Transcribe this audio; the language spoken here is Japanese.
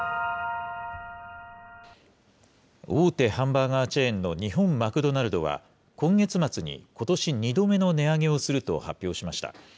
大手ハンバーガーチェーンの日本マクドナルドは、今月末にことし２度目の値上げをすると発表しました。